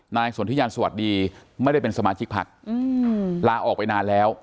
นายสนทธิญาณสวัสดีไม่ได้เป็นสมาชิกภักดิ์ลาออกไปนานแล้ว